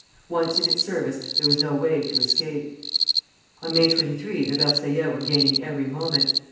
Once in its service, there was no way to escape. On May 23 the Versaillais were gaining every moment.